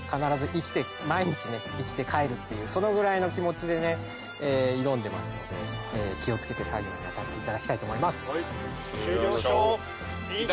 っていうそのぐらいの気持ちで挑んでますので気を付けて作業に当たっていただきたいと思います。